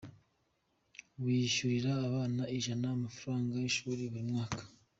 Wishyurira abana ijana amafaranga y’ishuri buri mwaka.